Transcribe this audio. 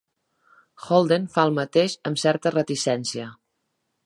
Holden fa el mateix amb certa reticència.